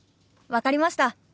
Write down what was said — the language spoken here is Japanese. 分かりました。